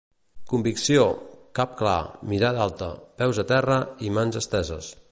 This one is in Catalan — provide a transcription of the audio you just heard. Convicció, cap clar, mirada alta, peus a terra i mans esteses.